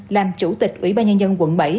làm chủ tịch ủy ban nhân dân quận bảy